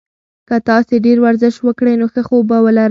که تاسي ډېر ورزش وکړئ نو ښه خوب به ولرئ.